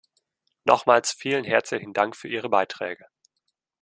Nochmals vielen herzlichen Dank für Ihre Beiträge.